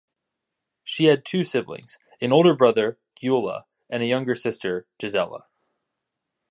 She had two siblings - an older brother, Gyula and a younger sister, Gizella.